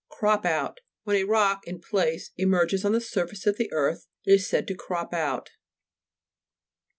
CROP OUT When a rock, in place, emerges on the surface of the earth, it is said to crop out.